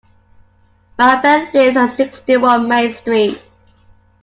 My friend lives at sixty-one Main Street